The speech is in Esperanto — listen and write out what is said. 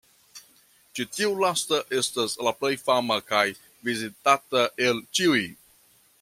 Ĉi tiu lasta estas la plej fama kaj vizitata el ĉiuj.